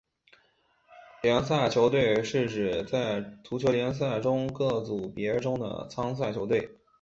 联赛球队是指在足球联赛中在各组别中的参赛球队。